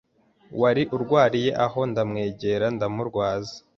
wari urwariye aho ndamwegera ndamurwaza